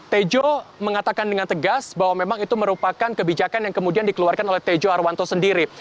tejo mengatakan dengan tegas bahwa memang itu merupakan kebijakan yang kemudian dikeluarkan oleh tejo arwanto sendiri